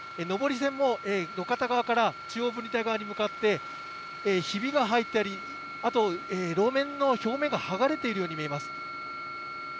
上り線も、路肩側から中央分離帯側に向かって、ひびが入ったり、あと、路面の表面が剥がれているように見えます。